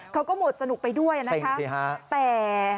เขาก็หมดสนุกไปด้วยนะครับสิ่งสิฮะแต่